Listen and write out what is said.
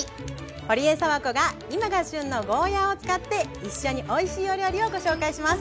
ほりえさわこが今が旬のゴーヤーを使って一緒においしいお料理をご紹介します。